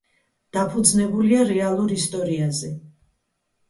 დაფუძნებულია რეალურ ისტორიაზე.